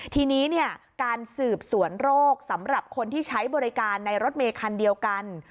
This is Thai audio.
ทีนี้การสืบสวนโรคสำหรับคนที่ใช้บริการในรถเมคันเดียวกัน